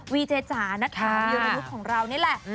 วีเจจานักครามเวียรูปของเรานี่แหละ